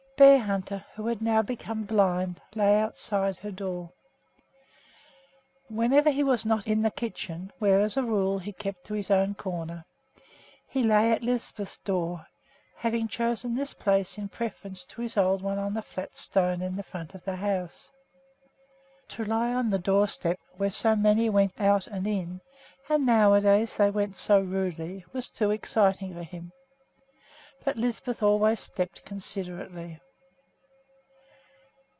Bearhunter, who had now become blind, lay outside her door. Whenever he was not in the kitchen, where, as a rule, he kept to his own corner, he lay at Lisbeth's door, having chosen this place in preference to his old one on the flat stone in front of the house. To lie on the doorstep where so many went out and in and nowadays they went so rudely was too exciting for him; but Lisbeth always stepped considerately.